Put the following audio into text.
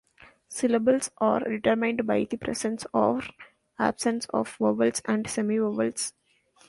Syllables are determined by the presence or absence of vowels and semi-vowels.